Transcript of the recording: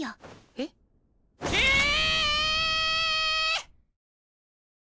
えっ？えっ！